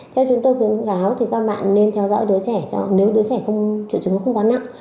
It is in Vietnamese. theo chúng tôi khuyến cáo thì các bạn nên theo dõi đứa trẻ nếu đứa trẻ không triệu chứng không quá nặng